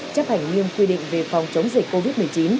chấp hành nghiêm quy định về phòng chống dịch covid một mươi chín